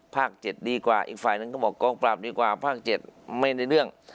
๗ดีกว่าอีกฝ่ายหนึ่งต้องบอกกองปราบดีกว่าภาค๗ไม่ได้เรื่อง